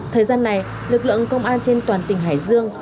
thời gian này lực lượng công an trên toàn tỉnh hải dương